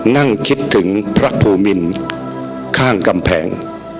นั่งคิดถึงพระภูมินข้างกำแพง